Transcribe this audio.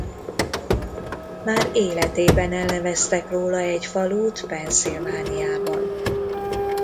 Már életében elneveztek róla egy falut Pennsylvaniában.